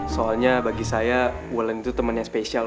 soalnya bagi saya bulan itu temen yang spesial om